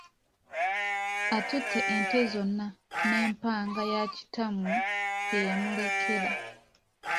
Otutte ente zonna, ne mpanga ya kitamwe gye yamulekera.